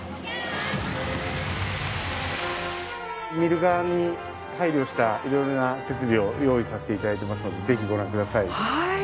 見る側に配慮した色々な設備を用意させて頂いてますのでぜひご覧ください。